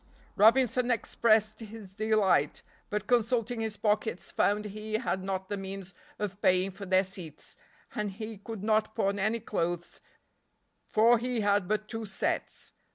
Robinson expressed his delight, but consulting his pockets found he had not the means of paying for their seats, and he could not pawn any clothes, for he had but two sets.